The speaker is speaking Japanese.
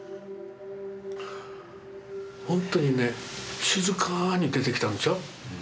ほんとにね静かに出てきたんですよ。